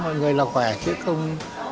mọi người là khỏe chứ không